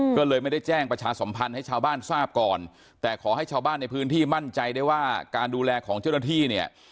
ก็เลยไม่ได้แจ้งประชาสมพันธ์ให้ชาวบ้านทราบก่อนแต่ขอให้ชาวบ้านในพื้นที่มั่นใจได้ว่าการดูแลของเจ้าหน้าที่เนี่ย